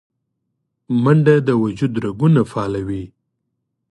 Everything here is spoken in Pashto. منډه د وجود رګونه فعالوي